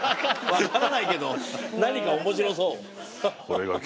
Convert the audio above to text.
わからないけど何か面白そう。